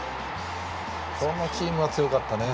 このチームは強かったね